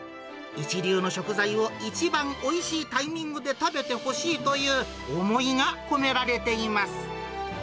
一流の食材を一番おいしいタイミングで食べてほしいという思いが込められています。